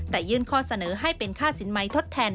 แต่ยื่นข้อเสนอให้เป็นค่าสินใหม่ทดแทน